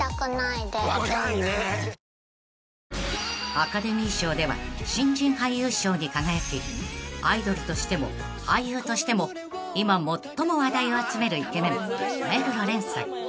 ［アカデミー賞では新人俳優賞に輝きアイドルとしても俳優としても今最も話題を集めるイケメン目黒蓮さん］